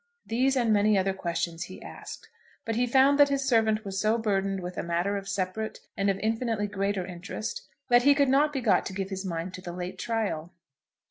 These, and many other questions he asked, but he found that his servant was so burdened with a matter of separate and of infinitely greater interest, that he could not be got to give his mind to the late trial.